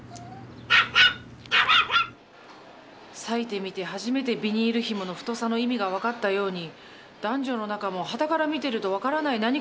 裂いてみて初めてビニールひもの太さの意味が分かったように男女の仲もはたから見てると分からない